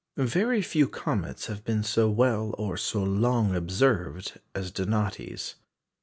Very few comets have been so well or so long observed as Donati's.